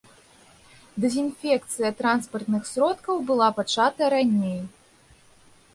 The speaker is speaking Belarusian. Дэзінфекцыя транспартных сродкаў была пачата раней.